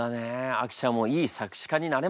あきちゃんもいい作詞家になれますね。